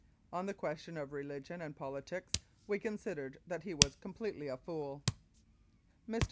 On the question of religion and politics we con sidered that he was completely a fool. Mr.